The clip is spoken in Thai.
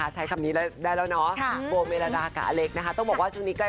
ใช้คำนี้ได้แล้ว